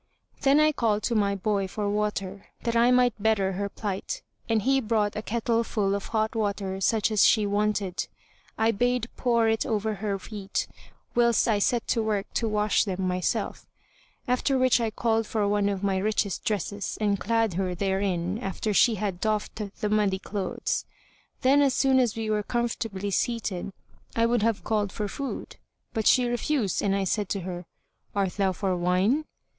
Then I called to my boy for water, that I might better her plight, and he brought a kettle full of hot water such as she wanted. I bade pour it over her feet, whilst I set to work to wash them myself; after which I called for one of my richest dresses and clad her therein after she had doffed the muddy clothes. Then, as soon as we were comfortably seated, I would have called for food, but she refused and I said to her, "Art thou for wine?"